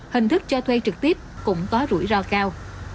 hình thức cho thuê trực tiếp cũng có rủi ro cao